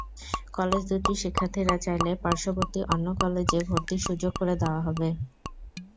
College দুটির শিক্ষার্থীরা চাইলে পার্শ্ববর্তী অন্য কলেজে ভর্তির সুযোগ করে দেওয়া হবে।